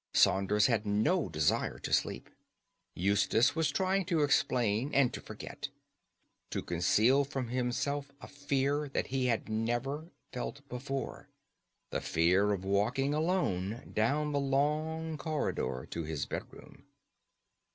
Saunders had no desire for sleep. Eustace was trying to explain and to forget: to conceal from himself a fear that he had never felt before—the fear of walking alone down the long corridor to his bedroom.